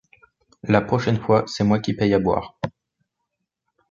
La prochaine fois, c’est moi qui paye à boire.